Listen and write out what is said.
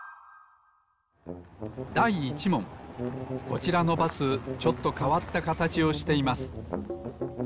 こちらのバスちょっとかわったかたちをしています。